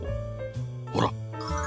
ほら。